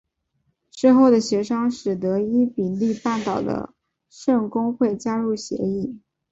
之后的协商使得伊比利半岛的圣公会加入协议。